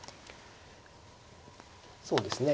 そうですね